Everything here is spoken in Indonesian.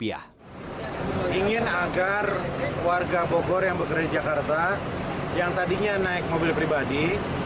ingin agar warga bogor yang bekerja di jakarta yang tadinya naik mobil pribadi